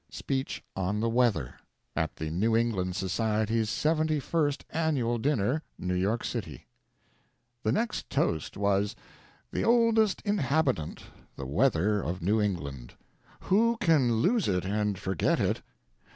SPEECH ON THE WEATHER AT THE NEW ENGLAND SOCIETY'S SEVENTY FIRST ANNUAL DINNER, NEW YORK CITY The next toast was: "The Oldest Inhabitant The Weather of New England." Who can lose it and forget it?